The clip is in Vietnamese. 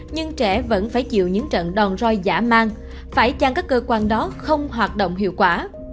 nhưng trẻ vẫn phải chịu những trận đòn roi giả mang phải chăng các cơ quan đó không hoạt động hiệu quả